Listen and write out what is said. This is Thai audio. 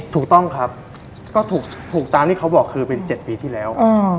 ถูกต้องครับก็ถูกตามที่เขาบอกคือเป็น๗ปีที่แล้ว